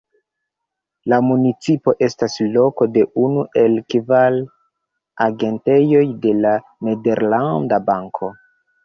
La municipo estas loko de unu el kvar agentejoj de La Nederlanda Banko.